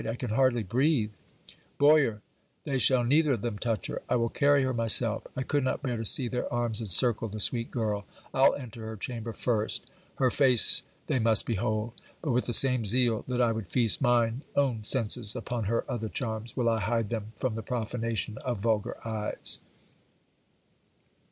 I can hardly breathe. Boyer, they shall neither of them touch her. I will carry her myself. I could not bear to see their arms encircle the sweet girl. I'll enter her chamber first. Her face they must behold; but, with the same zeal that I would feast mine own senses upon her other charms, will I hide them from the profanation of vulgar eyes.